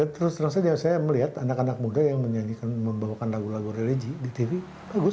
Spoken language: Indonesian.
terus terang saja saya melihat anak anak muda yang membawakan lagu lagu religi di tv bagus